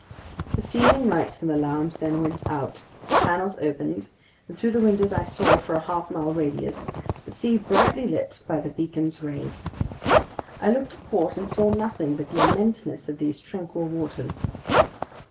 The ceiling lights in the lounge then went out, the panels opened, and through the windows I saw, for a half mile radius, the sea brightly lit by the beacon's rays. I looked to port and saw nothing but the immenseness of these tranquil waters.